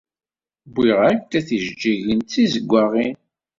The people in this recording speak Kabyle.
Wwiɣ-ak-d tijeǧǧigin d tizeggaɣin.